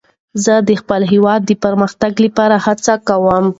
زه د خپل هېواد د پرمختګ لپاره هڅه کوم.